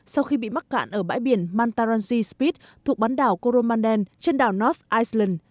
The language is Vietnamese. sau khi bị mắc cạn ở bãi biển mantaranji spit thuộc bán đảo coromanden trên đảo north iceland